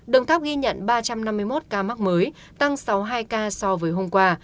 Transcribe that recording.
đồng tháp ghi nhận ba trăm năm mươi một ca mắc mới tăng sáu mươi hai ca so với hôm qua